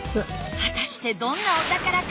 果たしてどんなお宝か？